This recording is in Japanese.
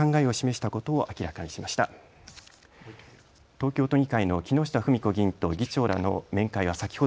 東京都議会の木下富美子議員と議長らの面会は先ほど終わりました。